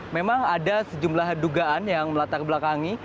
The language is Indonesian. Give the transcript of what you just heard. memang ada sejumlah dugaan yang melatar belakangi